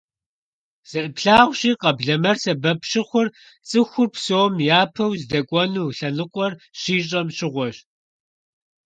Зэрыплъагъущи, къэблэмэр сэбэп щыхъур цӀыхур псом япэу здэкӀуэну лъэныкъуэр щищӀэм щыгъуэщ.